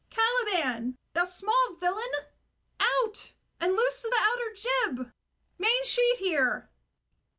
Caliban, thou small villain, out and loose the outer jib. Main sheet here!